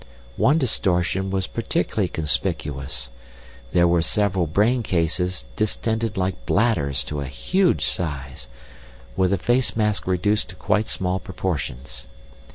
One distortion was particularly conspicuous. There were several brain cases distended like bladders to a huge size, with the face mask reduced to quite small proportions.